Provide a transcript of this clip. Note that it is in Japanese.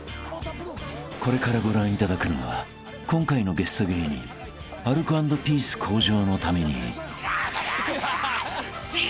［これからご覧いただくのは今回のゲスト芸人アルコ＆ピース向上のために］